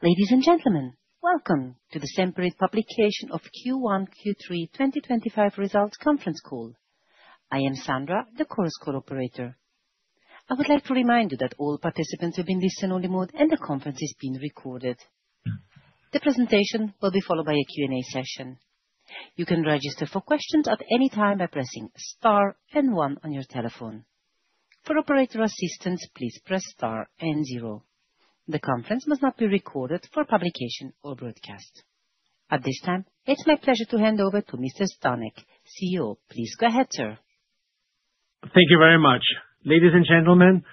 Ladies and gentlemen, welcome to the Semperit publication of Q1-Q3 2025 results conference call. I am Sandra, the conference call operator. I would like to remind you that all participants are in listen-only mode and the conference is being recorded. The presentation will be followed by a Q&A session. You can register for questions at any time by pressing star and one on your telephone. For operator assistance, please press star and zero. The conference must not be recorded for publication or broadcast. At this time, it's my pleasure to hand over to Mr. Stanek, CEO. Please go ahead, sir. Thank you very much. Ladies and gentlemen,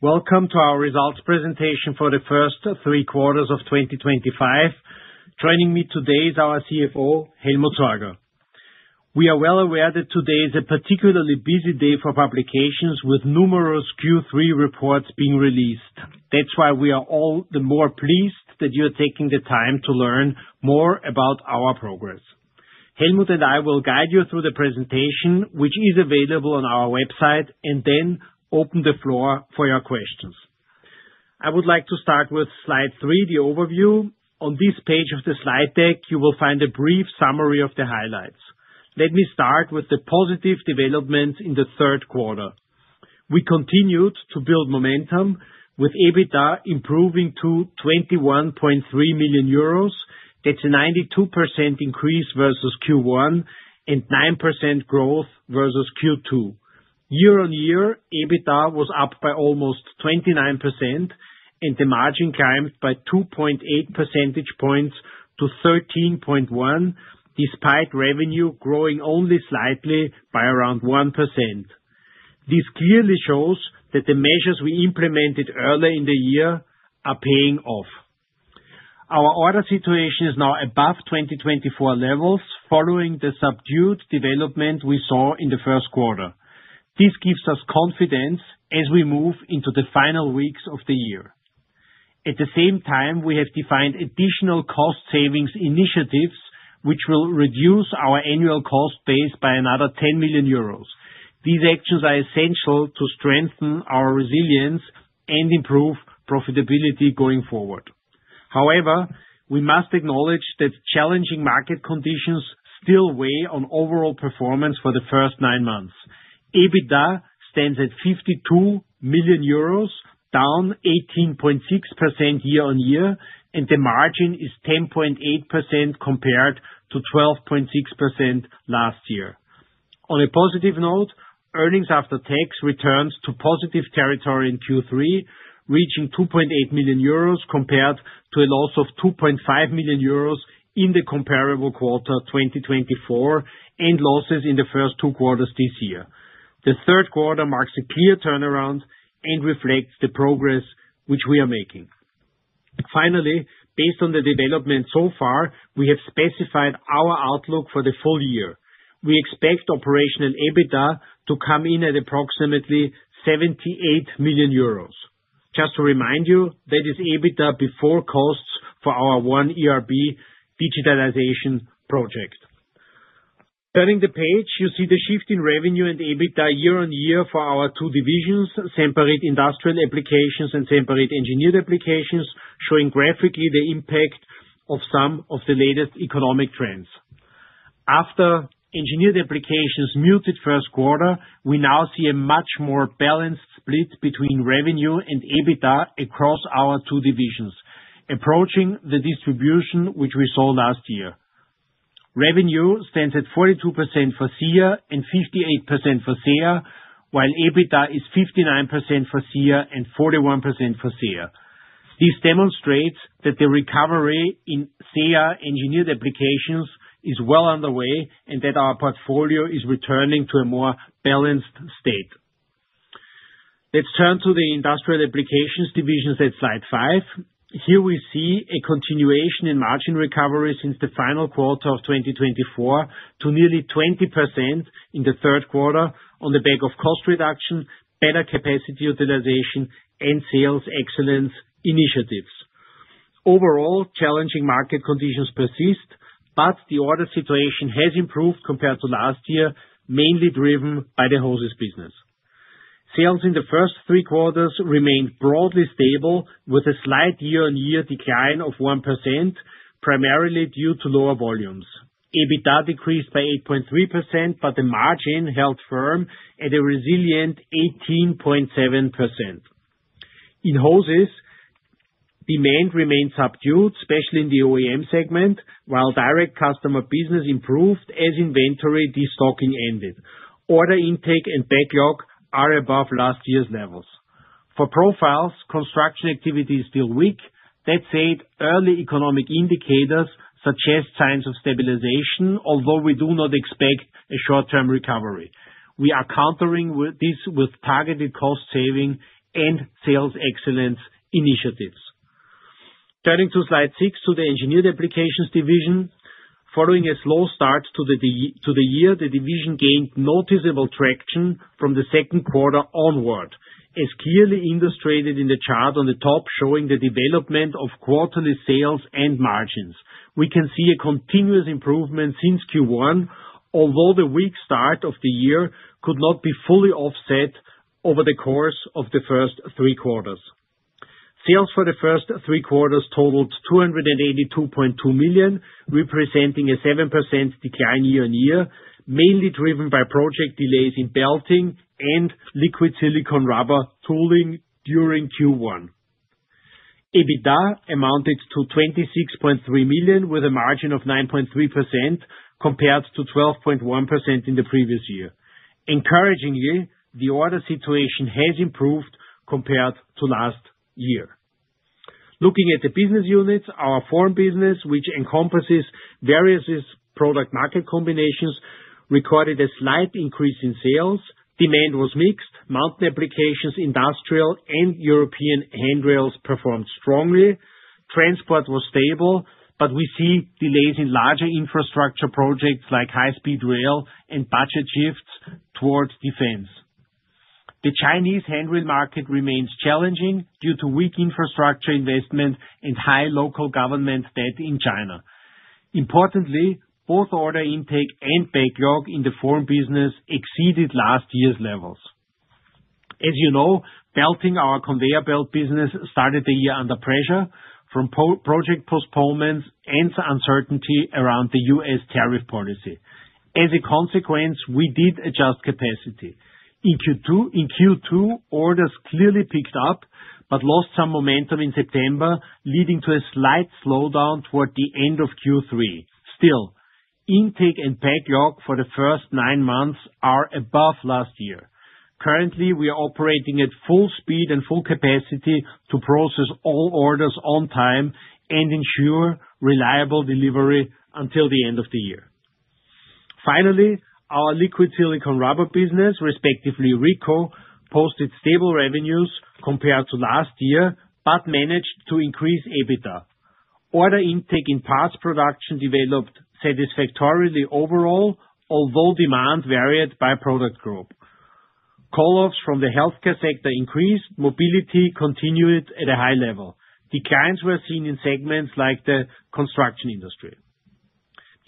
welcome to our results presentation for the first three quarters of 2025. Joining me today is our CFO, Helmut Sorger. We are well aware that today is a particularly busy day for publications, with numerous Q3 reports being released. That's why we are all the more pleased that you are taking the time to learn more about our progress. Helmut and I will guide you through the presentation, which is available on our website, and then open the floor for your questions. I would like to start with slide three, the overview. On this page of the slide deck, you will find a brief summary of the highlights. Let me start with the positive development in the third quarter. We continued to build momentum, with EBITDA improving to 21.3 million euros. That's a 92% increase versus Q1 and nine% growth versus Q2. Year on year, EBITDA was up by almost 29%, and the margin climbed by 2.8 percentage points to 13.1, despite revenue growing only slightly by around 1%. This clearly shows that the measures we implemented earlier in the year are paying off. Our order situation is now above 2024 levels, following the subdued development we saw in the first quarter. This gives us confidence as we move into the final weeks of the year. At the same time, we have defined additional cost savings initiatives, which will reduce our annual cost base by another 10 million euros. These actions are essential to strengthen our resilience and improve profitability going forward. However, we must acknowledge that challenging market conditions still weigh on overall performance for the first nine months. EBITDA stands at 52 million euros, down 18.6% year on year, and the margin is 10.8% compared to 12.6% last year. On a positive note, earnings after tax returned to positive territory in Q3, reaching 2.8 million euros compared to a loss of 2.5 million euros in the comparable quarter 2024 and losses in the first two quarters this year. The third quarter marks a clear turnaround and reflects the progress which we are making. Finally, based on the development so far, we have specified our outlook for the full year. We expect operational EBITDA to come in at approximately 78 million euros. Just to remind you, that is EBITDA before costs for our One ERP digitalization project. Turning the page, you see the shift in revenue and EBITDA year on year for our two divisions, Semperit Industrial Applications and Semperit Engineered Applications, showing graphically the impact of some of the latest economic trends. After engineered applications muted first quarter, we now see a much more balanced split between revenue and EBITDA across our two divisions, approaching the distribution which we saw last year. Revenue stands at 42% for SEA and 58% for SEA, while EBITDA is 59% for SEA and 41% for SEA. This demonstrates that the recovery in SEA engineered applications is well underway and that our portfolio is returning to a more balanced state. Let's turn to the industrial applications divisions at slide five. Here we see a continuation in margin recovery since the final quarter of 2024 to nearly 20% in the third quarter on the back of cost reduction, better capacity utilization, and sales excellence initiatives. Overall, challenging market conditions persist, but the order situation has improved compared to last year, mainly driven by the hoses business. Sales in the first three quarters remained broadly stable, with a slight year-on-year decline of 1%, primarily due to lower volumes. EBITDA decreased by 8.3%, but the margin held firm at a resilient 18.7%. In hoses, demand remained subdued, especially in the OEM segment, while direct customer business improved as inventory destocking ended. Order intake and backlog are above last year's levels. For profiles, construction activity is still weak. That said, early economic indicators suggest signs of stabilization, although we do not expect a short-term recovery. We are countering this with targeted cost saving and sales excellence initiatives. Turning to slide six to the engineered applications division, following a slow start to the year, the division gained noticeable traction from the second quarter onward, as clearly illustrated in the chart on the top, showing the development of quarterly sales and margins. We can see a continuous improvement since Q1, although the weak start of the year could not be fully offset over the course of the first three quarters. Sales for the first three quarters totaled 282.2 million, representing a 7% decline year on year, mainly driven by project delays in belting and liquid silicon rubber tooling during Q1. EBITDA amounted to 26.3 million, with a margin of 9.3% compared to 12.1% in the previous year. Encouragingly, the order situation has improved compared to last year. Looking at the business units, our Form business, which encompasses various product-market combinations, recorded a slight increase in sales. Demand was mixed. Mount applications, industrial, and European handrails performed strongly. Transport was stable, but we see delays in larger infrastructure projects like high-speed rail and budget shifts towards defense. The Chinese handrail market remains challenging due to weak infrastructure investment and high local government debt in China. Importantly, both order intake and backlog in the Form business exceeded last year's levels. As you know, belting, our conveyor belt business, started the year under pressure from project postponements and uncertainty around the US tariff policy. As a consequence, we did adjust capacity. In Q2, orders clearly picked up but lost some momentum in September, leading to a slight slowdown toward the end of Q3. Still, intake and backlog for the first nine months are above last year. Currently, we are operating at full speed and full capacity to process all orders on time and ensure reliable delivery until the end of the year. Finally, our liquid silicon rubber business, respectively Rico, posted stable revenues compared to last year but managed to increase EBITDA. Order intake in parts production developed satisfactorily overall, although demand varied by product group. Call-offs from the healthcare sector increased. Mobility continued at a high level. Declines were seen in segments like the construction industry.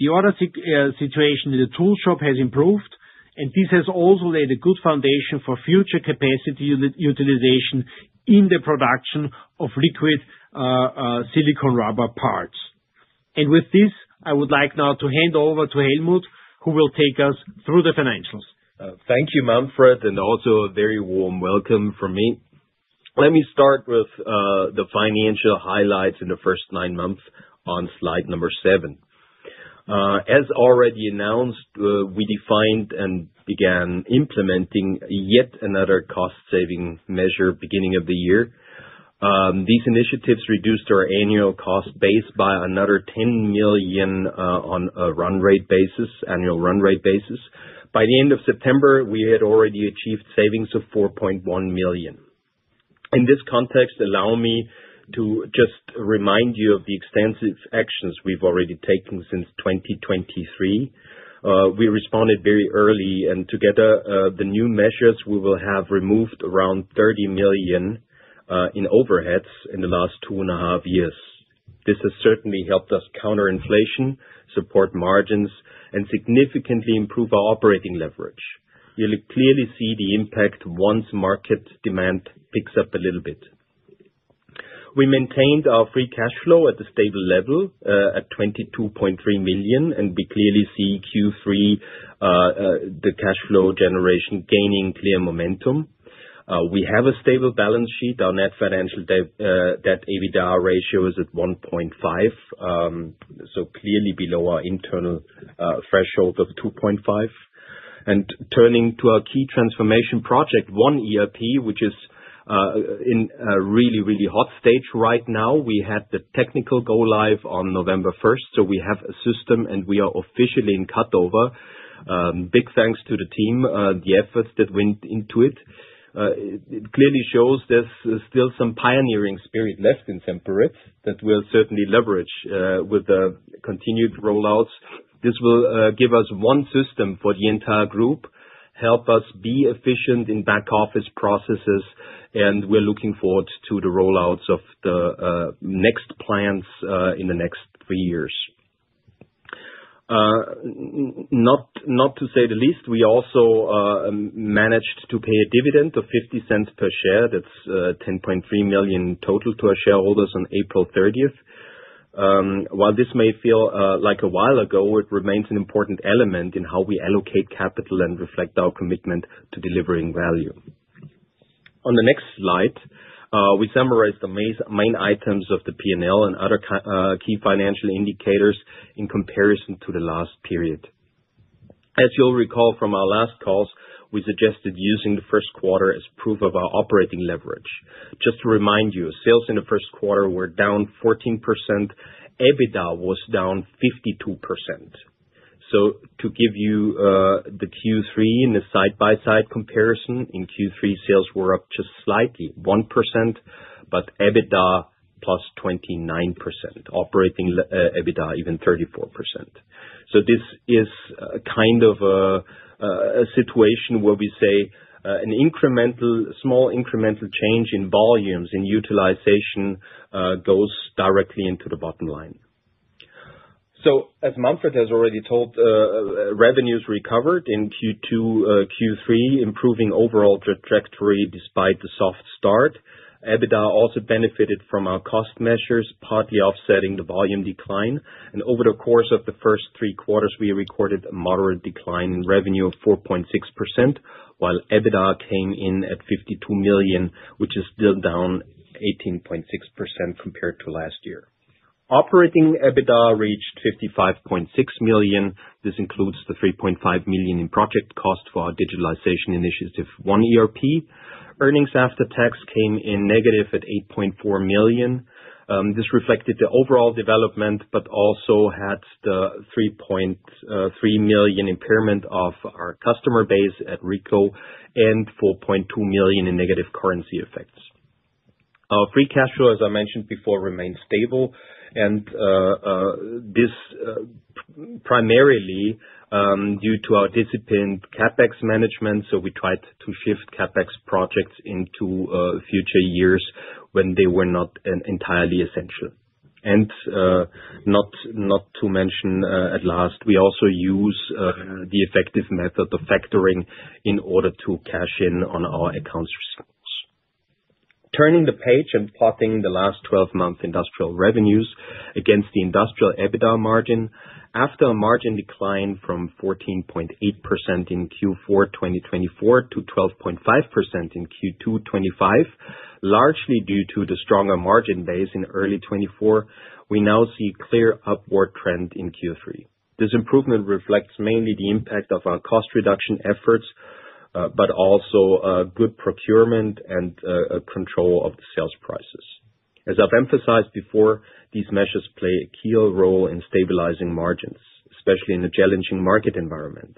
The order situation in the tool shop has improved, and this has also laid a good foundation for future capacity utilization in the production of Liquid Silicon Rubber parts. With this, I would like now to hand over to Helmut, who will take us through the financials. Thank you, Manfred, and also a very warm welcome from me. Let me start with the financial highlights in the first nine months on slide number seven. As already announced, we defined and began implementing yet another cost-saving measure beginning of the year. These initiatives reduced our annual cost base by another 10 million on a run rate basis, annual run rate basis. By the end of September, we had already achieved savings of 4.1 million. In this context, allow me to just remind you of the extensive actions we've already taken since 2023. We responded very early, and together, the new measures we will have removed around 30 million in overheads in the last two and a half years. This has certainly helped us counter inflation, support margins, and significantly improve our operating leverage. You clearly see the impact once market demand picks up a little bit. We maintained our free cash flow at a stable level at 22.3 million, and we clearly see Q3 the cash flow generation gaining clear momentum. We have a stable balance sheet. Our net financial debt/EBITDA ratio is at 1.5, so clearly below our internal threshold of 2.5. Turning to our key transformation project, One ERP, which is in a really, really hot stage right now. We had the technical go live on November 1st, so we have a system, and we are officially in cutover. Big thanks to the team, the efforts that went into it. It clearly shows there's still some pioneering spirit left in Semperit that we'll certainly leverage with the continued rollouts. This will give us one system for the entire group, help us be efficient in back office processes, and we're looking forward to the rollouts of the next plans in the next three years. Not to say the least, we also managed to pay a dividend of 0.50 per share. That's 10.3 million total to our shareholders on April 30th. While this may feel like a while ago, it remains an important element in how we allocate capital and reflect our commitment to delivering value. On the next slide, we summarize the main items of the P&L and other key financial indicators in comparison to the last period. As you'll recall from our last calls, we suggested using the first quarter as proof of our operating leverage. Just to remind you, sales in the first quarter were down 14%. EBITDA was down 52%. So to give you the Q3 in a side-by-side comparison, in Q3, sales were up just slightly, 1%, but EBITDA plus 29%, operating EBITDA even 34%. This is kind of a situation where we say an incremental, small incremental change in volumes and utilization goes directly into the bottom line. As Manfred has already told, revenues recovered in Q2, Q3, improving overall trajectory despite the soft start. EBITDA also benefited from our cost measures, partly offsetting the volume decline. Over the course of the first three quarters, we recorded a moderate decline in revenue of 4.6%, while EBITDA came in at €52 million, which is still down 18.6% compared to last year. Operating EBITDA reached €55.6 million. This includes the €3.5 million in project cost for our digitalization initiative, One ERP. Earnings after tax came in negative at €8.4 million. This reflected the overall development but also had the €3.3 million impairment of our customer base at Rico and €4.2 million in negative currency effects. Our free cash flow, as I mentioned before, remained stable, and this primarily due to our disciplined CapEx management, so we tried to shift CapEx projects into future years when they were not entirely essential, and not to mention, at last, we also use the effective method of factoring in order to cash in on our accounts receivables. Turning the page and plotting the last 12 months' industrial revenues against the industrial EBITDA margin, after a margin decline from 14.8% in Q4 2024 to 12.5% in Q2 2025, largely due to the stronger margin base in early 2024, we now see a clear upward trend in Q3. This improvement reflects mainly the impact of our cost reduction efforts, but also good procurement and control of the sales prices. As I've emphasized before, these measures play a key role in stabilizing margins, especially in a challenging market environment.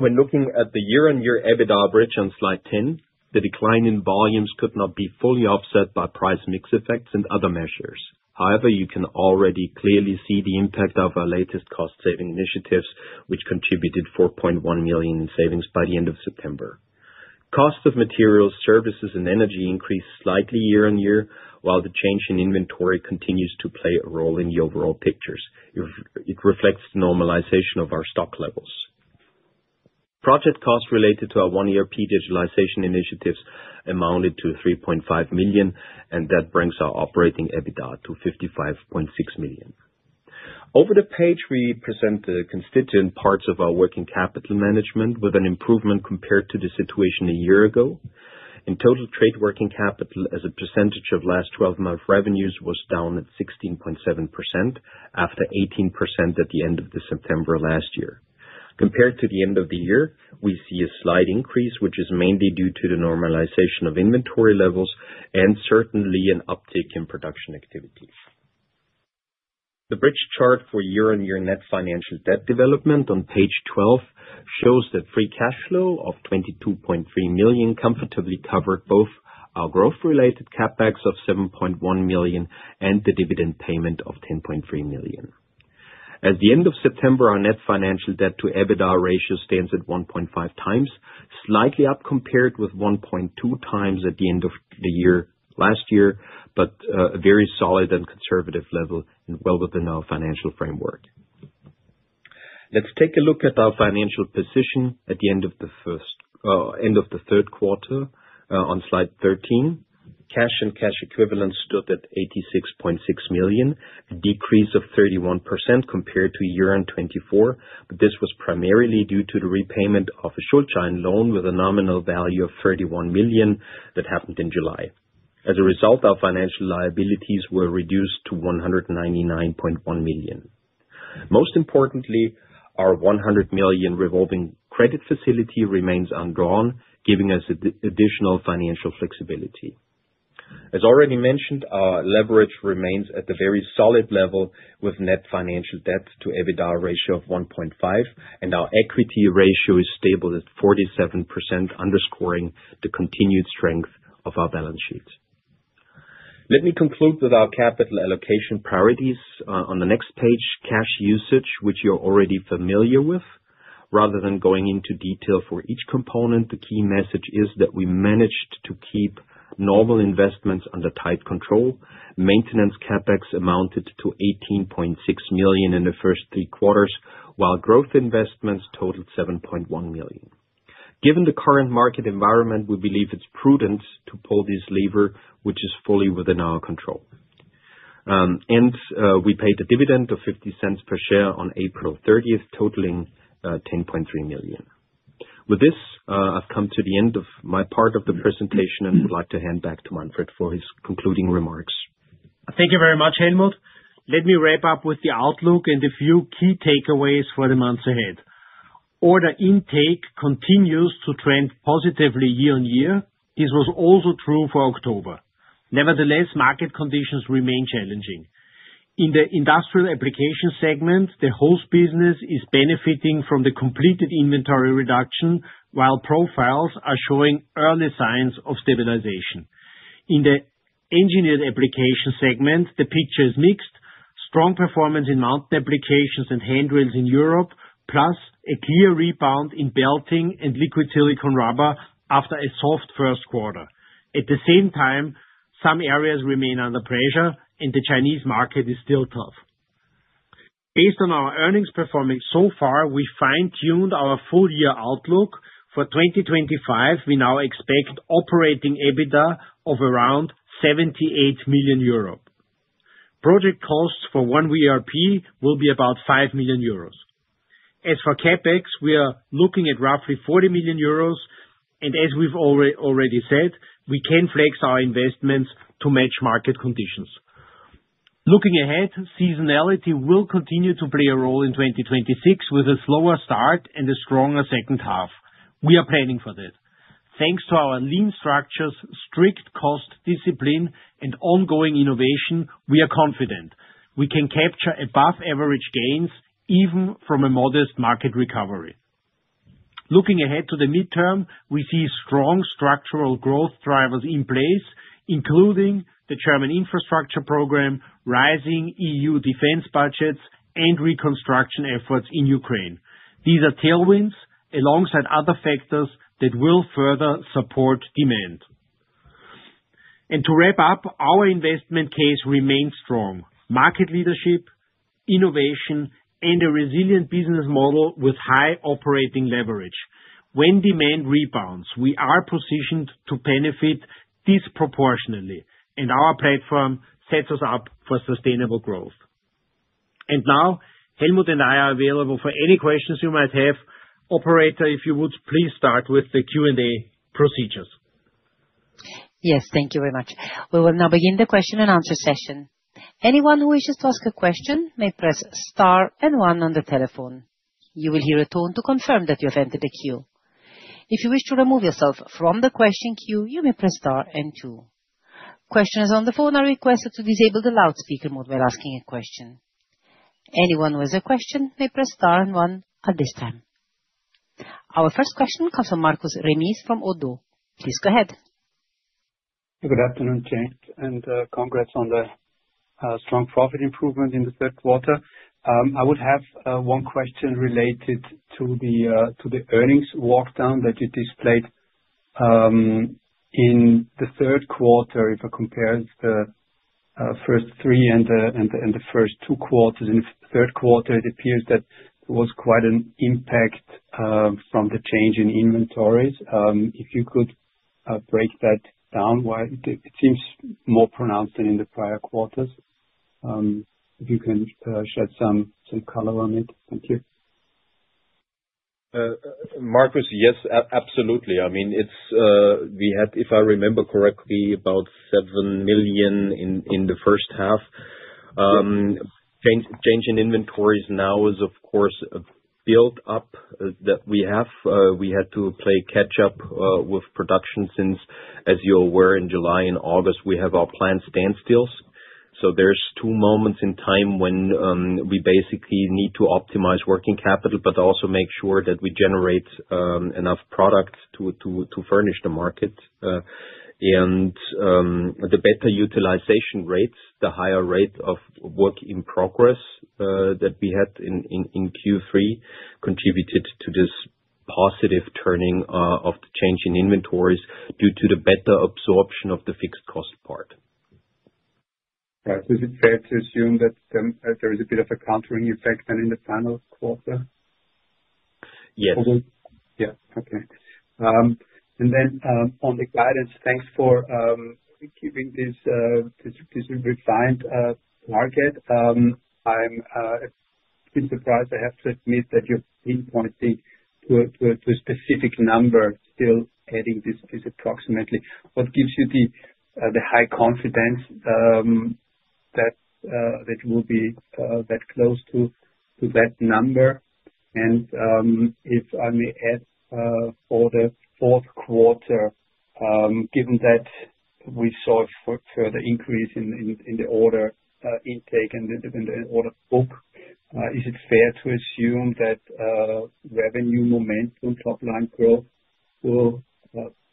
When looking at the year-on-year EBITDA bridge on slide 10, the decline in volumes could not be fully offset by price mix effects and other measures. However, you can already clearly see the impact of our latest cost-saving initiatives, which contributed 4.1 million in savings by the end of September. Cost of materials, services, and energy increased slightly year on year, while the change in inventory continues to play a role in the overall pictures. It reflects the normalization of our stock levels. Project costs related to our One ERP digitalization initiatives amounted to 3.5 million, and that brings our operating EBITDA to 55.6 million. Over the page, we present the constituent parts of our working capital management with an improvement compared to the situation a year ago. In total, trade working capital as a percentage of last 12 months' revenues was down at 16.7% after 18% at the end of September last year. Compared to the end of the year, we see a slight increase, which is mainly due to the normalization of inventory levels and certainly an uptick in production activity. The bridge chart for year-on-year net financial debt development on page 12 shows that free cash flow of 22.3 million comfortably covered both our growth-related CapEx of 7.1 million and the dividend payment of 10.3 million. At the end of September, our net financial debt to EBITDA ratio stands at 1.5 times, slightly up compared with 1.2 times at the end of the year last year, but a very solid and conservative level and well within our financial framework. Let's take a look at our financial position at the end of the third quarter on slide 13. Cash and cash equivalents stood at 86.6 million, a decrease of 31% compared to year-on-year. This was primarily due to the repayment of a short-term loan with a nominal value of 31 million that happened in July. As a result, our financial liabilities were reduced to 199.1 million. Most importantly, our 100 million revolving credit facility remains undrawn, giving us additional financial flexibility. As already mentioned, our leverage remains at a very solid level with net financial debt to EBITDA ratio of 1.5, and our equity ratio is stable at 47%, underscoring the continued strength of our balance sheet. Let me conclude with our capital allocation priorities on the next page, cash usage, which you're already familiar with. Rather than going into detail for each component, the key message is that we managed to keep normal investments under tight control. Maintenance CapEx amounted to 18.6 million in the first three quarters, while growth investments totaled 7.1 million. Given the current market environment, we believe it's prudent to pull this lever, which is fully within our control. And we paid a dividend of €0.50 per share on April 30th, totaling 10.3 million. With this, I've come to the end of my part of the presentation and would like to hand back to Manfred for his concluding remarks. Thank you very much, Helmut. Let me wrap up with the outlook and a few key takeaways for the months ahead. Order intake continues to trend positively year on year. This was also true for October. Nevertheless, market conditions remain challenging. In the industrial application segment, the hose business is benefiting from the completed inventory reduction, while profiles are showing early signs of stabilization. In the engineered application segment, the picture is mixed. Strong performance in mount applications and handrails in Europe, plus a clear rebound in belting and liquid silicon rubber after a soft first quarter. At the same time, some areas remain under pressure, and the Chinese market is still tough. Based on our earnings performance so far, we fine-tuned our full-year outlook. For 2025, we now expect operating EBITDA of around 78 million euros. Project costs for One ERP will be about 5 million euros. As for CapEx, we are looking at roughly 40 million euros, and as we've already said, we can flex our investments to match market conditions. Looking ahead, seasonality will continue to play a role in 2026 with a slower start and a stronger second half. We are planning for that. Thanks to our lean structures, strict cost discipline, and ongoing innovation, we are confident we can capture above-average gains even from a modest market recovery. Looking ahead to the midterm, we see strong structural growth drivers in place, including the German infrastructure program, rising EU defense budgets, and reconstruction efforts in Ukraine. These are tailwinds alongside other factors that will further support demand, and to wrap up, our investment case remains strong: market leadership, innovation, and a resilient business model with high operating leverage. When demand rebounds, we are positioned to benefit disproportionately, and our platform sets us up for sustainable growth. And now, Helmut and I are available for any questions you might have. Operator, if you would please start with the Q&A procedures. Yes, thank you very much. We will now begin the question and answer session. Anyone who wishes to ask a question may press Star and One on the telephone. You will hear a tone to confirm that you have entered the queue. If you wish to remove yourself from the question queue, you may press Star and Two. Questioners on the phone are requested to disable the loudspeaker mode while asking a question. Anyone who has a question may press Star and One at this time. Our first question comes from Markus Remis from ODDO BHF. Please go ahead. Good afternoon, gents, and congrats on the strong profit improvement in the third quarter. I would have one question related to the earnings walkdown that you displayed in the third quarter. If I compare the first three and the first two quarters in the third quarter, it appears that there was quite an impact from the change in inventories. If you could break that down, it seems more pronounced than in the prior quarters. If you can shed some color on it, thank you. Markus, yes, absolutely. I mean, we had, if I remember correctly, about 7 million in the first half. Change in inventories now is, of course, a build-up that we have. We had to play catch-up with production since, as you're aware, in July and August, we have our planned standstills. So there's two moments in time when we basically need to optimize working capital but also make sure that we generate enough product to furnish the market, and the better utilization rates, the higher rate of work in progress that we had in Q3 contributed to this positive turning of the change in inventories due to the better absorption of the fixed cost part. Is it fair to assume that there is a bit of a countering effect then in the final quarter? Yes. Yeah, okay. And then on the guidance, thanks for keeping this refined target. I'm a bit surprised, I have to admit, that you're pinpointing to a specific number, still adding this approximately. What gives you the high confidence that it will be that close to that number? And if I may add, for the fourth quarter, given that we saw a further increase in the order intake and the order book, is it fair to assume that revenue momentum, top-line growth will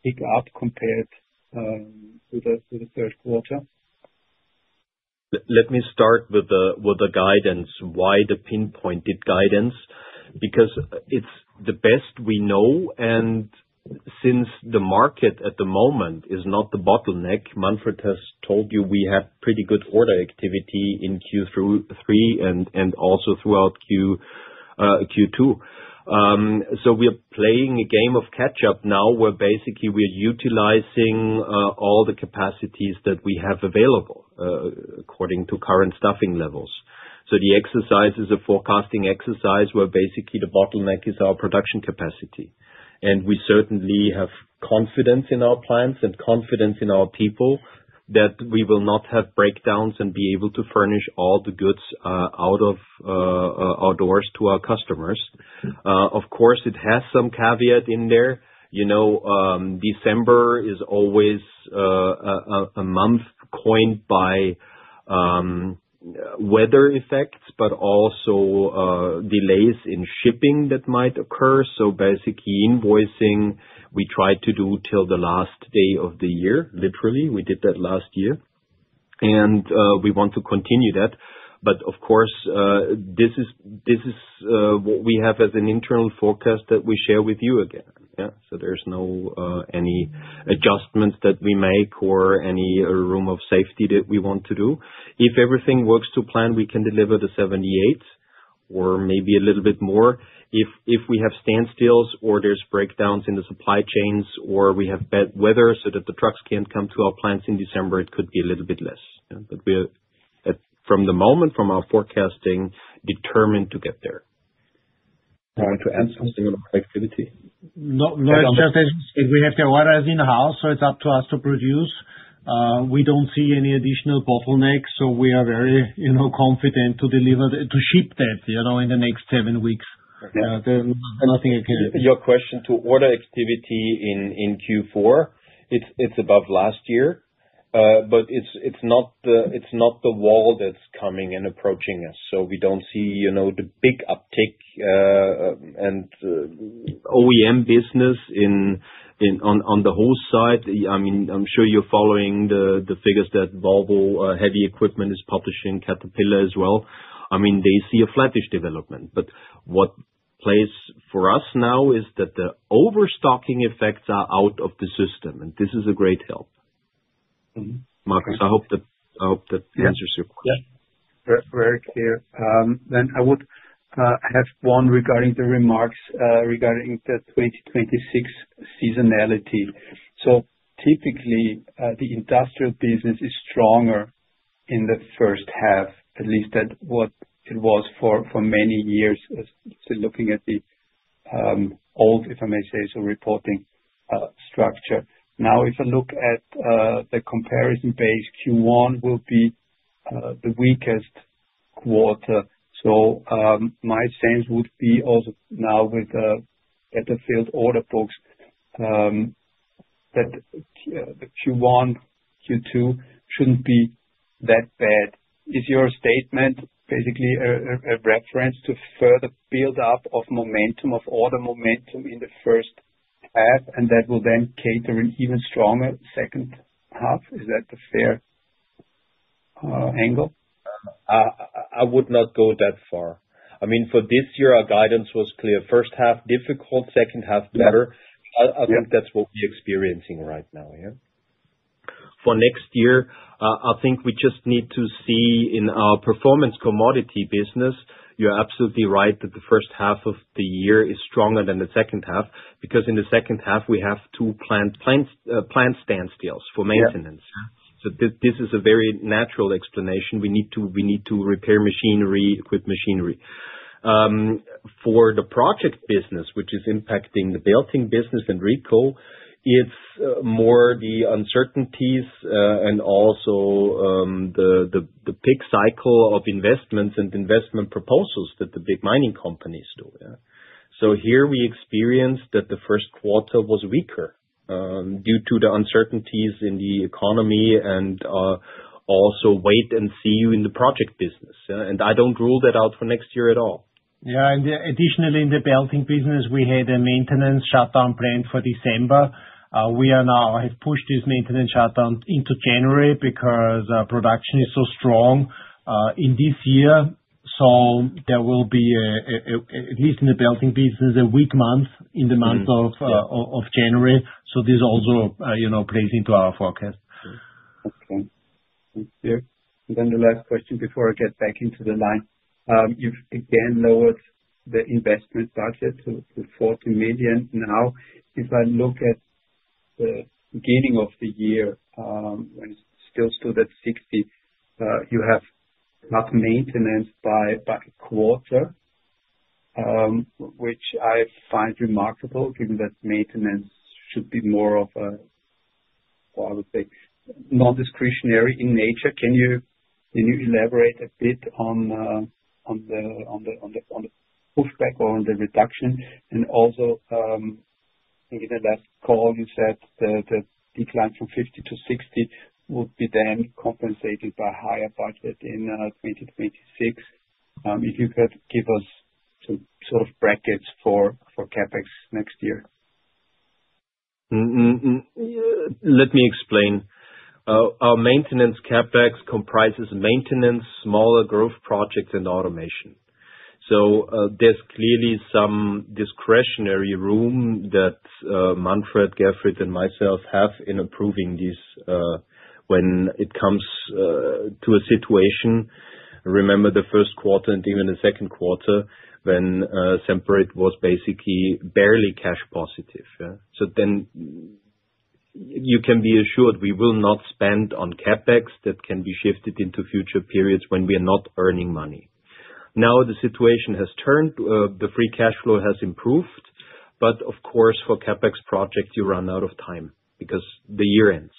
pick up compared to the third quarter? Let me start with the guidance, why the pinpointed guidance, because it's the best we know. And since the market at the moment is not the bottleneck, Manfred has told you we have pretty good order activity in Q3 and also throughout Q2. So we are playing a game of catch-up now where basically we are utilizing all the capacities that we have available according to current staffing levels. So the exercise is a forecasting exercise where basically the bottleneck is our production capacity. And we certainly have confidence in our plants and confidence in our people that we will not have breakdowns and be able to furnish all the goods out of our doors to our customers. Of course, it has some caveat in there. December is always a month coined by weather effects, but also delays in shipping that might occur. So basically invoicing, we tried to do till the last day of the year, literally. We did that last year. And we want to continue that. But of course, this is what we have as an internal forecast that we share with you again. So there's no any adjustments that we make or any room of safety that we want to do. If everything works to plan, we can deliver the 78 or maybe a little bit more. If we have standstills or there's breakdowns in the supply chains or we have bad weather so that the trucks can't come to our plants in December, it could be a little bit less. But we are, from the moment, from our forecasting, determined to get there. Do you want to add something about activity? No, just as you said, we have the orders in-house, so it's up to us to produce. We don't see any additional bottlenecks, so we are very confident to deliver to ship that in the next seven weeks. Nothing I can add. Your question to order activity in Q4, it's above last year, but it's not the wall that's coming and approaching us. So we don't see the big uptick and OEM business on the whole side. I mean, I'm sure you're following the figures that Volvo Construction Equipment is publishing, Caterpillar as well. I mean, they see a flattish development. But what plays for us now is that the overstocking effects are out of the system, and this is a great help. Markus, I hope that answers your question. Yeah, very clear. Then I would have one regarding the remarks regarding the 2026 seasonality. So typically, the industrial business is stronger in the first half, at least than what it was for many years still looking at the old, if I may say so, reporting structure. Now, if I look at the comparison base, Q1 will be the weakest quarter. So my sense would be also now with the better-filled order books that Q1, Q2 shouldn't be that bad. Is your statement basically a reference to further build-up of momentum, of order momentum in the first half, and that will then carry into even stronger second half? Is that a fair angle? I would not go that far. I mean, for this year, our guidance was clear. First half difficult, second half better. I think that's what we're experiencing right now. For next year, I think we just need to see in our performance commodity business. You're absolutely right that the first half of the year is stronger than the second half because in the second half, we have two planned standstills for maintenance. So this is a very natural explanation. We need to repair and equip machinery. For the project business, which is impacting the belting business and, in particular, it's more the uncertainties and also the CapEx cycle of investments and investment proposals that the big mining companies do. So here we experienced that the first quarter was weaker due to the uncertainties in the economy and also wait and see in the project business, and I don't rule that out for next year at all. Yeah, and additionally in the belting business, we had a maintenance shutdown planned for December. We have pushed this maintenance shutdown into January because production is so strong in this year, so there will be, at least in the belting business, a weak month in the month of January, so this also plays into our forecast. Okay. Thank you. And then the last question before I get back into the line. You've again lowered the investment budget to 40 million. Now, if I look at the beginning of the year when it still stood at 60, you have cut maintenance by a quarter, which I find remarkable given that maintenance should be more of a, I would say, non-discretionary in nature. Can you elaborate a bit on the pushback or on the reduction? And also, I think in the last call, you said the decline from 50 to 60 would be then compensated by a higher budget in 2026. If you could give us some sort of brackets for CapEx next year? Let me explain. Our maintenance CapEx comprises maintenance, smaller growth projects, and automation, so there's clearly some discretionary room that Manfred, Gerfried, and myself have in approving this when it comes to a situation. Remember the first quarter and even the second quarter when Semperit was basically barely cash positive, so then you can be assured we will not spend on CapEx that can be shifted into future periods when we are not earning money. Now the situation has turned. The free cash flow has improved, but of course, for CapEx projects, you run out of time because the year ends.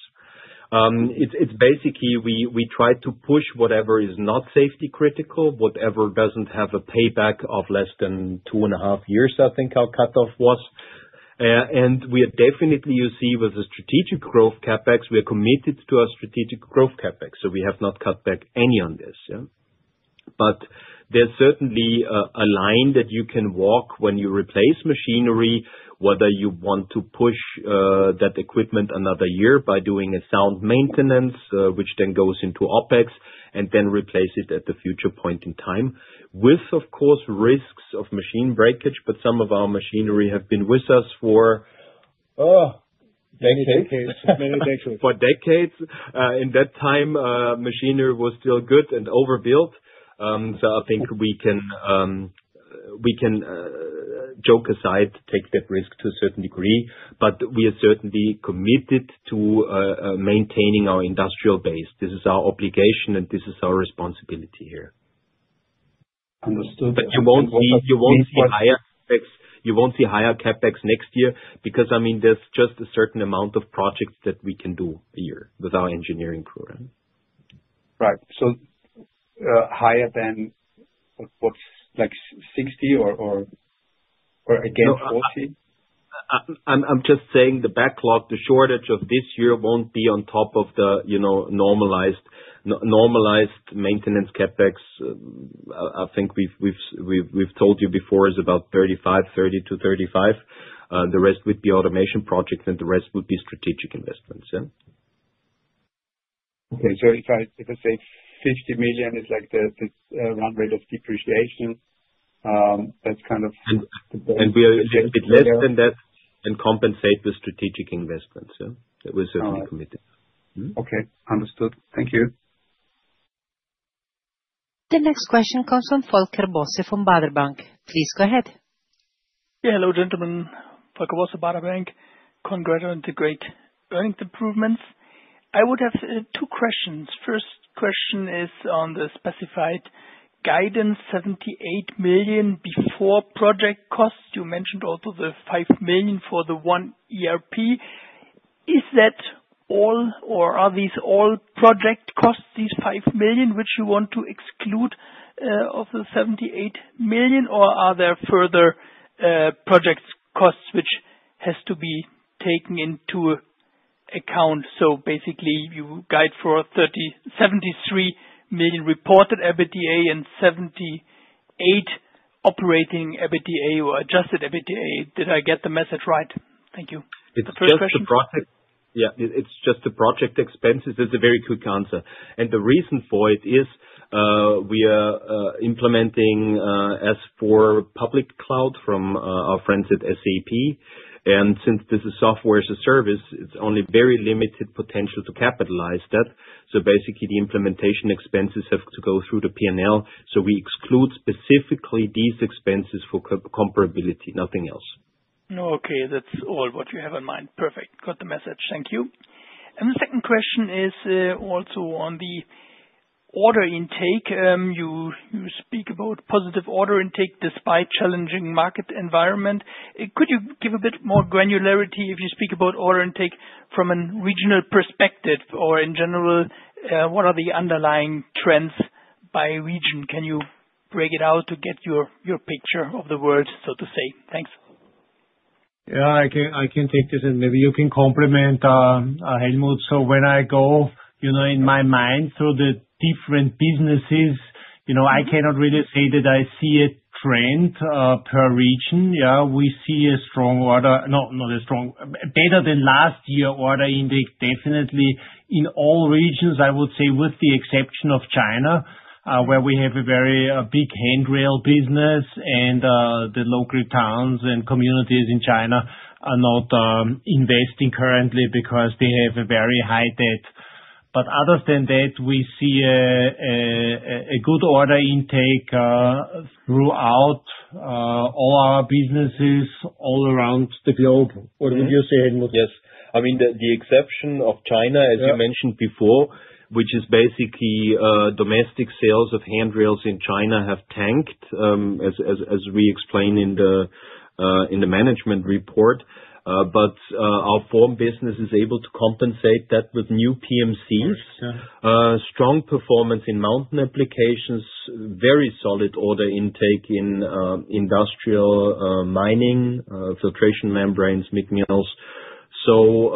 It's basically we try to push whatever is not safety critical, whatever doesn't have a payback of less than two and a half years, I think our cutoff was, and we are definitely, you see, with the strategic growth CapEx, we are committed to our strategic growth CapEx. So we have not cut back any on this. But there's certainly a line that you can walk when you replace machinery, whether you want to push that equipment another year by doing a sound maintenance, which then goes into OPEX, and then replace it at the future point in time with, of course, risks of machine breakage. But some of our machinery have been with us for decades. For decades. For decades. In that time, machinery was still good and overbuilt. So I think we can joke aside, take that risk to a certain degree. But we are certainly committed to maintaining our industrial base. This is our obligation, and this is our responsibility here. Understood. But you won't see higher CapEx next year because, I mean, there's just a certain amount of projects that we can do a year with our engineering program. Right. So higher than what's like 60 or against 40? I'm just saying the backlog, the shortage of this year won't be on top of the normalized maintenance CapEx. I think we've told you before is about 30-35. The rest would be automation projects, and the rest would be strategic investments. Okay. So if I say 50 million is like this run rate of depreciation, that's kind of. We are a bit less than that and compensate the strategic investments. We're certainly committed. Okay. Understood. Thank you. The next question comes from Volker Bosse from Baader Bank. Please go ahead. Yeah, hello, gentlemen. Volker Bosse, Baader Bank. Congratulations on the great earnings improvements. I would have two questions. First question is on the specified guidance, 78 million before project costs. You mentioned also the 5 million for the One ERP. Is that all, or are these all project costs, these 5 million, which you want to exclude of the 78 million? Or are there further project costs which have to be taken into account? So basically, you guide for 73 million reported EBITDA and 78 operating EBITDA or adjusted EBITDA. Did I get the message right? Thank you. It's just the project expenses. That's a very quick answer, and the reason for it is we are implementing S/4 Public Cloud from our friends at SAP. And since this is software as a service, it's only very limited potential to capitalize that. So basically, the implementation expenses have to go through the P&L, so we exclude specifically these expenses for comparability, nothing else. Okay. That's all what you have in mind. Perfect. Got the message. Thank you. And the second question is also on the order intake. You speak about positive order intake despite challenging market environment. Could you give a bit more granularity if you speak about order intake from a regional perspective or in general, what are the underlying trends by region? Can you break it out to get your picture of the world, so to say? Thanks. Yeah, I can take this in. Maybe you can complement Helmut. So when I go in my mind through the different businesses, I cannot really say that I see a trend per region. Yeah, we see a strong order. No, not a strong. Better than last year, order intake definitely in all regions, I would say, with the exception of China, where we have a very big handrail business, and the local towns and communities in China are not investing currently because they have a very high debt. But other than that, we see a good order intake throughout all our businesses all around the globe. What would you say, Helmut? Yes. I mean, the exception of China, as you mentioned before, which is basically domestic sales of handrails in China have tanked, as we explained in the management report. But our form business is able to compensate that with new PMCs, strong performance in Mount applications, very solid order intake in industrial mining, filtration membranes, mixed metals. So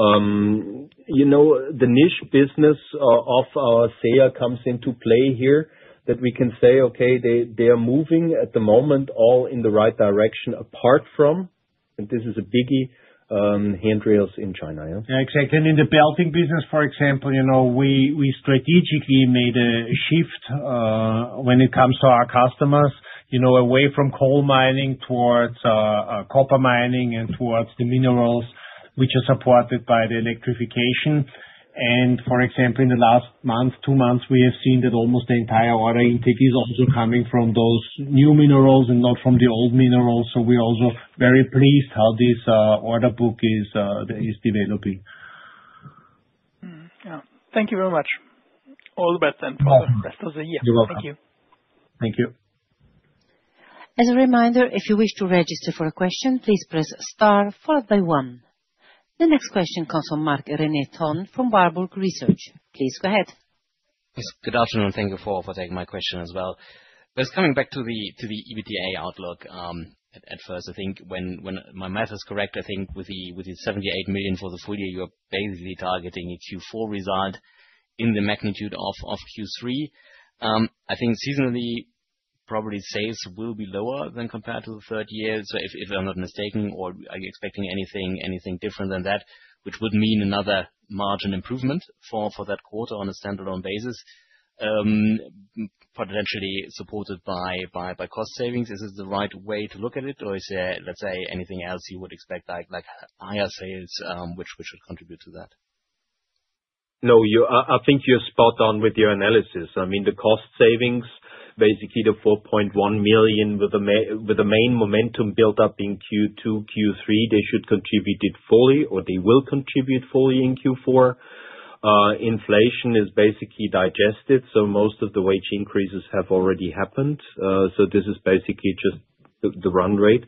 the niche business of our SEA comes into play here that we can say, okay, they are moving at the moment all in the right direction apart from, and this is a biggie, handrails in China. Yeah, exactly. And in the belting business, for example, we strategically made a shift when it comes to our customers away from coal mining towards copper mining and towards the minerals which are supported by the electrification. And for example, in the last month, two months, we have seen that almost the entire order intake is also coming from those new minerals and not from the old minerals. So we're also very pleased how this order book is developing. Yeah. Thank you very much. All the best then for the rest of the year. You're welcome. Thank you. As a reminder, if you wish to register for a question, please press star followed by one. The next question comes from Marc-René Tonn from Warburg Research. Please go ahead. Yes. Good afternoon. Thank you for taking my question as well. But coming back to the EBITDA outlook at first, I think when my math is correct, I think with the 78 million for the full year, you're basically targeting a Q4 result in the magnitude of Q3. I think seasonally, probably sales will be lower than compared to the third quarter. So if I'm not mistaken, or are you expecting anything different than that, which would mean another margin improvement for that quarter on a standalone basis, potentially supported by cost savings. Is this the right way to look at it? Or is there, let's say, anything else you would expect, like higher sales, which would contribute to that? No, I think you're spot on with your analysis. I mean, the cost savings, basically the €4.1 million with the main momentum built up in Q2, Q3, they should contribute it fully, or they will contribute fully in Q4. Inflation is basically digested, so most of the wage increases have already happened. So this is basically just the run rate.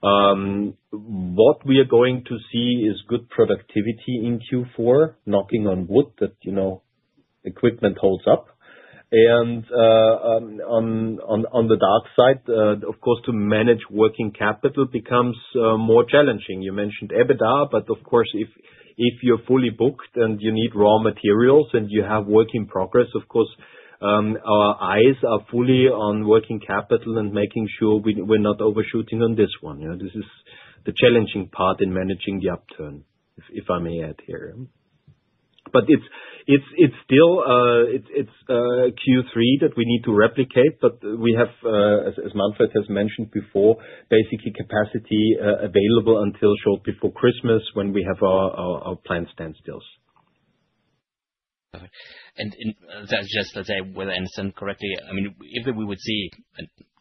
What we are going to see is good productivity in Q4, knocking on wood that equipment holds up, and on the dark side, of course, to manage working capital becomes more challenging. You mentioned EBITDA, but of course, if you're fully booked and you need raw materials and you have work in progress, of course, our eyes are fully on working capital and making sure we're not overshooting on this one. This is the challenging part in managing the upturn, if I may add here. But it's still Q3 that we need to replicate, but we have, as Manfred has mentioned before, basically capacity available until short before Christmas when we have our planned standstills. Got it. And that's just, let's say, with the end market correctly. I mean, if we would see,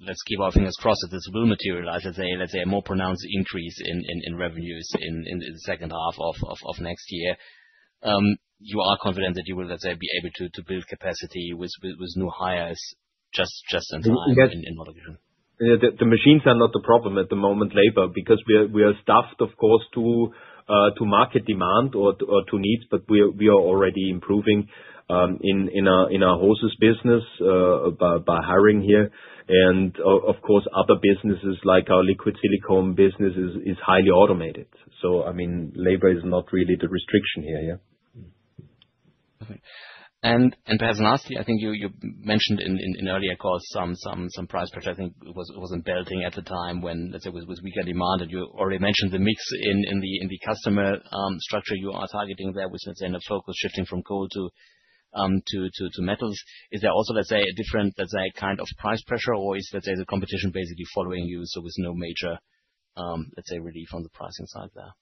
let's keep our fingers crossed that this will materialize, let's say, a more pronounced increase in revenues in the second half of next year, you are confident that you will, let's say, be able to build capacity with new hires just in time in other regions? The machines are not the problem at the moment, labor, because we are staffed, of course, to market demand or to needs, but we are already improving in our hoses business by hiring here. And of course, other businesses like our liquid silicone business is highly automated. So I mean, labor is not really the restriction here. Perfect. And perhaps lastly, I think you mentioned in earlier calls some price pressure. I think it was in belting at the time when, let's say, it was weaker demand. And you already mentioned the mix in the customer structure you are targeting there with, let's say, a focus shifting from coal to metals. Is there also, let's say, a different kind of price pressure, or is, let's say, the competition basically following you? So with no major, let's say, relief on the pricing side there?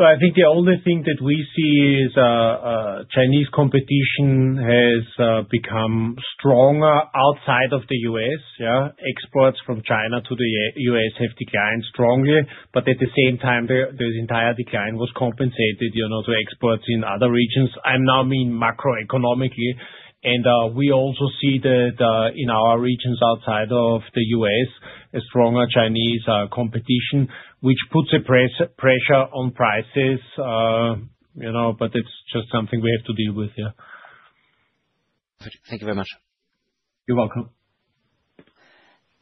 I think the only thing that we see is Chinese competition has become stronger outside of the US. Exports from China to the US have declined strongly. But at the same time, this entire decline was compensated to exports in other regions. I mean macroeconomically. And we also see that in our regions outside of the US, a stronger Chinese competition, which puts a pressure on prices. But it's just something we have to deal with here. Thank you very much. You're welcome.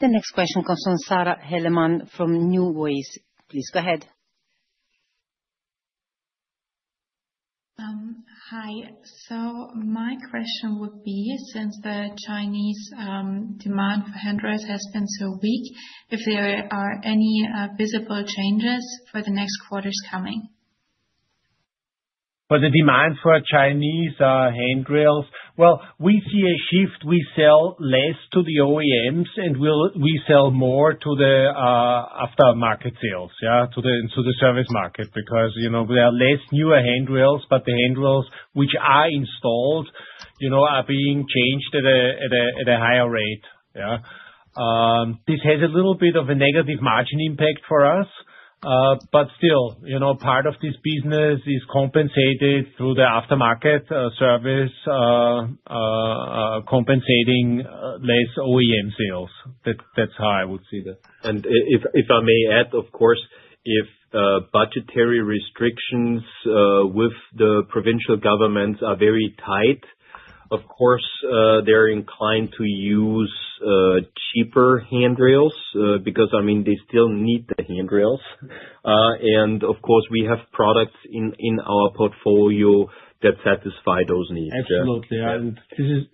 The next question comes from Sara Hellermann from NuWays. Please go ahead. Hi. So my question would be, since the Chinese demand for handrails has been so weak, if there are any visible changes for the next quarter's coming? For the demand for Chinese handrails, well, we see a shift. We sell less to the OEMs, and we sell more to the aftermarket sales, to the service market, because there are less newer handrails, but the handrails which are installed are being changed at a higher rate. This has a little bit of a negative margin impact for us. But still, part of this business is compensated through the aftermarket service, compensating less OEM sales. That's how I would see that. And if I may add, of course, if budgetary restrictions with the provincial governments are very tight, of course, they're inclined to use cheaper handrails because, I mean, they still need the handrails. And of course, we have products in our portfolio that satisfy those needs. Absolutely.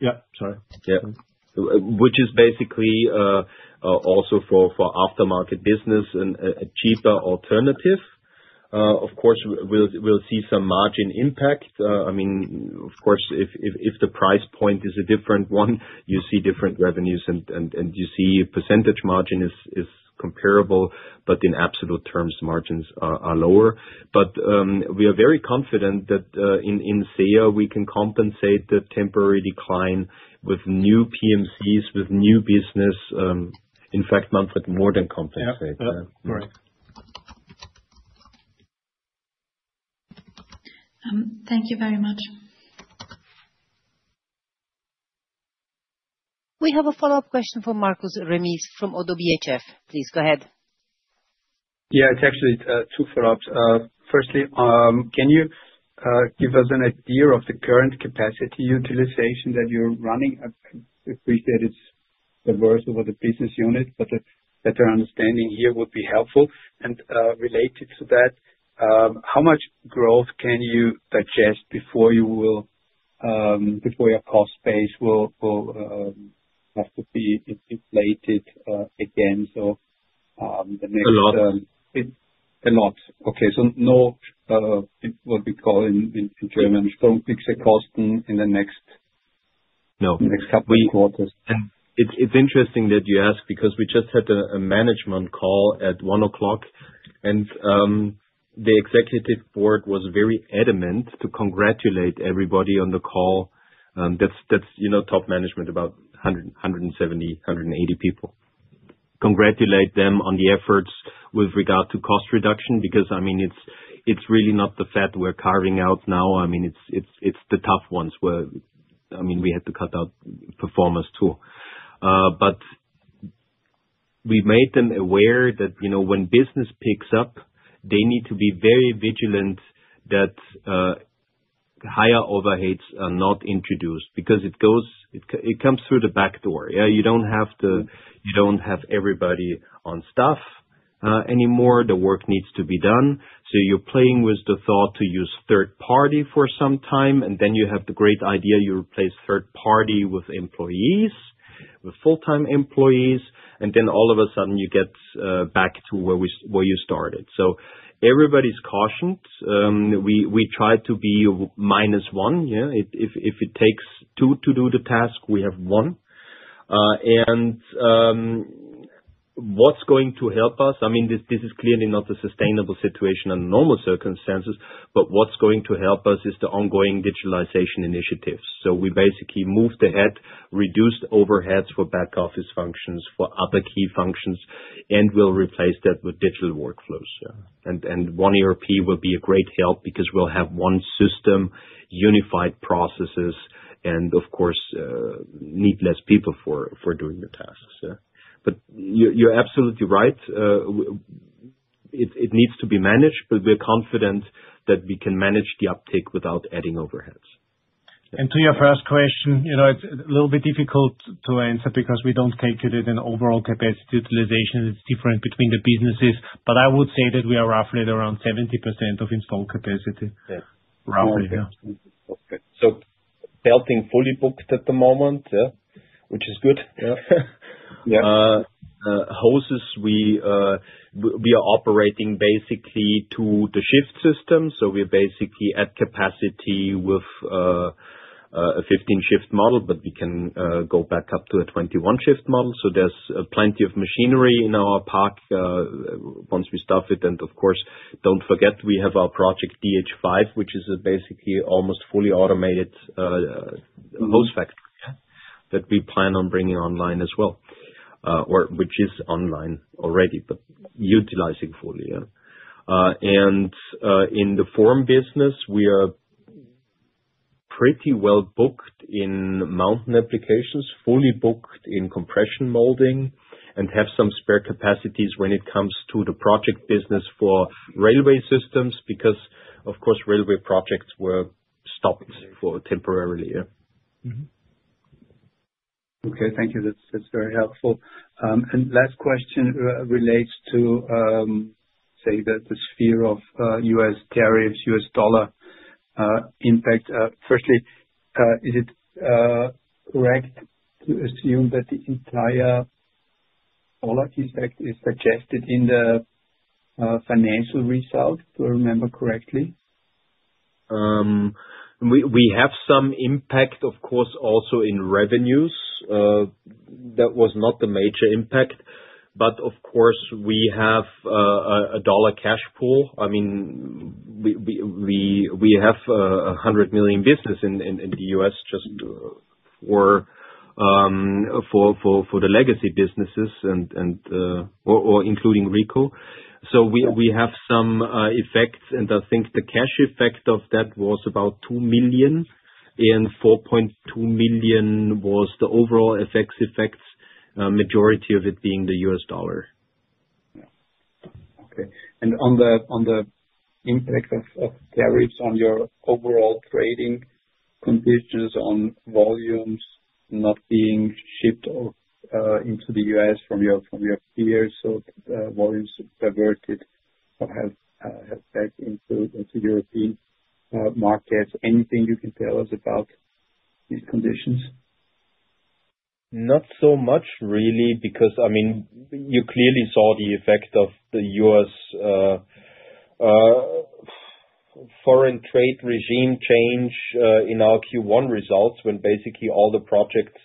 Yeah. Sorry. Yeah. Which is basically also for aftermarket business, a cheaper alternative. Of course, we'll see some margin impact. I mean, of course, if the price point is a different one, you see different revenues, and you see percentage margin is comparable, but in absolute terms, margins are lower. But we are very confident that in SEA, we can compensate the temporary decline with new PMCs, with new business. In fact, Manfred more than compensates. Thank you very much. We have a follow-up question from Markus Remis from Oddo BHF. Please go ahead. Yeah, it's actually two follow-ups. Firstly, can you give us an idea of the current capacity utilization that you're running? I appreciate it's diverse over the business unit, but a better understanding here would be helpful, and related to that, how much growth can you digest before your cost base will have to be inflated again? A lot. A lot. Okay. So, no, what we call in German, Stromfixerkosten, in the next couple of quarters. It's interesting that you ask because we just had a management call at 1:00 P.M., and the executive board was very adamant to congratulate everybody on the call. That's top management, about 170-180 people. Congratulate them on the efforts with regard to cost reduction because, I mean, it's really not the fat we're carving out now. I mean, it's the tough ones where, I mean, we had to cut out performers too. But we made them aware that when business picks up, they need to be very vigilant that higher overheads are not introduced because it comes through the back door. You don't have to have everybody on staff anymore. The work needs to be done. So you're playing with the thought to use third party for some time, and then you have the great idea you replace third party with employees, with full-time employees, and then all of a sudden, you get back to where you started. So everybody's cautioned. We try to be minus one. If it takes two to do the task, we have one. And what's going to help us? I mean, this is clearly not a sustainable situation under normal circumstances, but what's going to help us is the ongoing digitalization initiatives. So we basically moved ahead, reduced overheads for back office functions, for other key functions, and we'll replace that with digital workflows. And One ERP will be a great help because we'll have one system, unified processes, and of course, need less people for doing the tasks. But you're absolutely right. It needs to be managed, but we're confident that we can manage the uptake without adding overheads. And to your first question, it's a little bit difficult to answer because we don't calculate an overall capacity utilization. It's different between the businesses. But I would say that we are roughly at around 70% of installed capacity. Roughly. So Belting is fully booked at the moment, which is good. Hoses, we are operating basically to the shift system. So we're basically at capacity with a 15-shift model, but we can go back up to a 21-shift model. So there's plenty of machinery in our park once we staff it. And of course, don't forget, we have our project DH5, which is basically almost fully automated hose factory that we plan on bringing online as well, which is online already, but not utilizing fully. And in the Profiles business, we are pretty well booked in mounting applications, fully booked in compression molding, and have some spare capacities when it comes to the project business for railway systems because, of course, railway projects were stopped temporarily. Okay. Thank you. That's very helpful. And last question relates to, say, the sphere of U.S. tariffs, U.S. dollar impact. Firstly, is it correct to assume that the entire dollar effect is suggested in the financial result, if I remember correctly? We have some impact, of course, also in revenues. That was not the major impact. But of course, we have a dollar cash pool. I mean, we have a $100 million business in the U.S. just for the legacy businesses or including Rico. So we have some effects. And I think the cash effect of that was about $2 million, and $4.2 million was the overall effects, majority of it being the U.S. dollar. Okay. And on the impact of tariffs on your overall trading conditions, on volumes not being shipped into the U.S. from your peers, so volumes diverted or have come back into European markets, anything you can tell us about these conditions? Not so much, really, because, I mean, you clearly saw the effect of the U.S. foreign trade regime change in our Q1 results when basically all the projects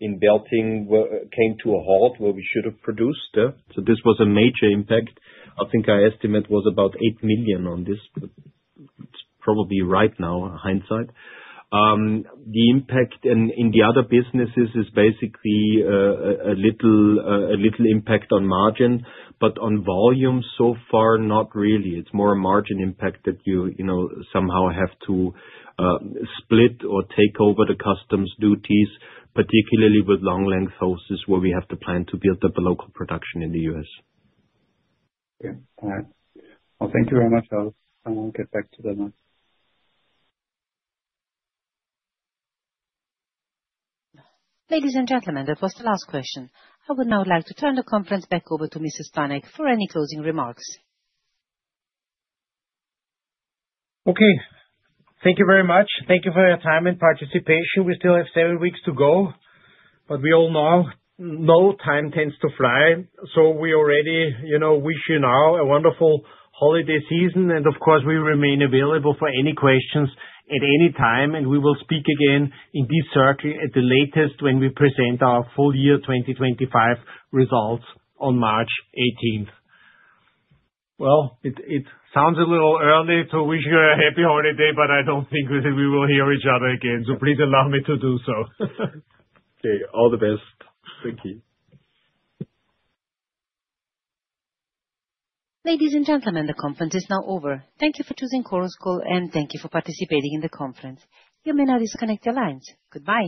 in Belting came to a halt where we should have produced. So this was a major impact. I think our estimate was about 8 million on this, but it's probably right now in hindsight. The impact in the other businesses is basically a little impact on margin, but on volume, so far, not really. It's more a margin impact that you somehow have to split or take over the customs duties, particularly with long-length hoses where we have to plan to build up a local production in the U.S. Okay. All right. Thank you very much. I'll get back to that now. Ladies and gentlemen, that was the last question. I would now like to turn the conference back over to Mr. Stanek for any closing remarks. Okay. Thank you very much. Thank you for your time and participation. We still have seven weeks to go, but we all know time tends to fly. So we already wish you now a wonderful holiday season. And of course, we remain available for any questions at any time. And we will speak again in this circle at the latest when we present our full year 2025 results on March 18th. Well, it sounds a little early to wish you a happy holiday, but I don't think we will hear each other again. So please allow me to do so. Okay. All the best. Thank you. Ladies and gentlemen, the conference is now over. Thank you for choosing Chorus Call, and thank you for participating in the conference. You may now disconnect your lines. Goodbye.